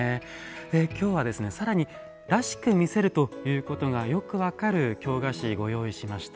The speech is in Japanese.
今日は更に「らしく見せる」ということがよく分かる京菓子ご用意しました。